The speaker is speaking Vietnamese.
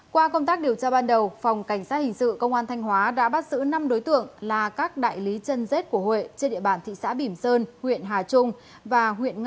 qua công tác điều tra ban đầu phòng cảnh sát hình sự công an thanh hóa đã bắt giữ năm đối tượng là các đại lý chân rết của huệ trên địa bàn thị xã bỉm sơn huyện hà trung và huyện nga